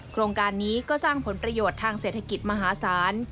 โครงการนี้ก็สร้างผลประโยชน์ทางเศรษฐกิจมหาศาล